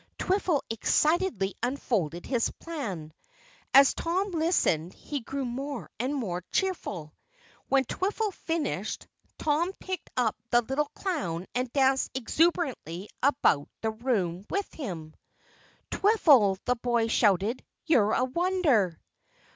Twiffle excitedly unfolded his plan. As Tom listened he grew more and more cheerful. When Twiffle finished, Tom picked up the little clown and danced exuberantly about the room with him. "Twiffle," the boy shouted, "you're a wonder!"